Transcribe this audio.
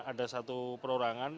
ada satu perorangan